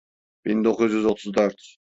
Bin dokuz yüz otuz dört.